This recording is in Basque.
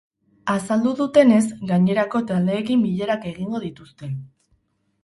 Azaldu dutenez, gainerako taldeekin bilerak egingo dituzte.